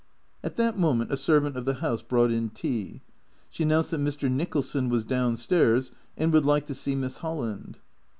x\t that moment a servant of the house brought in tea. She announced that Mr. Nicholson was down stairs and would like to see Miss Holland.